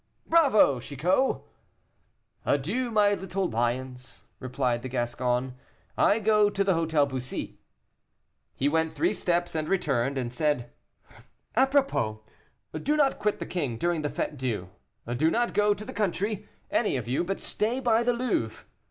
"Bravo, Chicot!" "Adieu, my little lions," replied the Gascon, "I go to the Hôtel Bussy." He went three steps and returned, and said, "Apropos, do not quit the king during the Fête Dieu; do not go to the country, any of you, but stay by the Louvre.